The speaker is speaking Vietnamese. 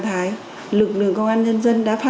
thì là tìm lại đồ ăn